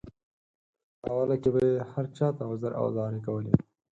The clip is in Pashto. اوله کې به یې هر چاته عذر او زارۍ کولې.